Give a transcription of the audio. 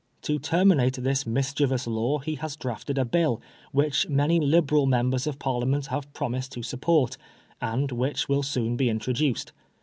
To terminate this mischievous law he has drafted a Bill, which many Liberal members of Parliament have promised to support, and which will soon be introduced.